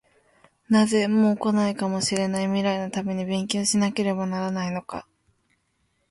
なぜ、もう来ないかもしれない未来のために勉強しなければならないのか？